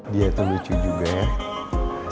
dia itu lucu juga ya